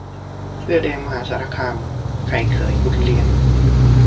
เสื้อแดงมหาสารคาม 'ไข่เขย-บุญเลี้ยง'